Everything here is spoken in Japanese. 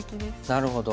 なるほど。